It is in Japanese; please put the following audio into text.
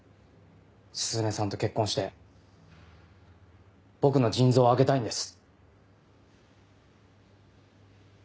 鈴音さんと結婚して僕の腎臓をあげたいんです。